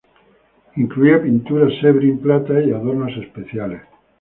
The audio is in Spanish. Incluía pintura Sebring Plata y adornos especiales.